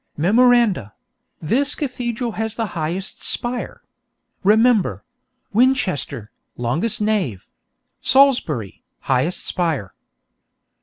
Memoranda: _This cathedral has the highest spire. Remember: Winchester, longest nave; Salisbury, highest spire.